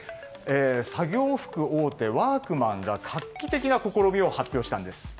作業服大手ワークマンが画期的な試みを発表したんです。